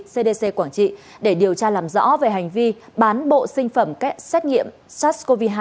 cdc quảng trị để điều tra làm rõ về hành vi bán bộ sinh phẩm xét nghiệm sars cov hai